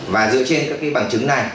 và dựa trên các cái bằng chứng này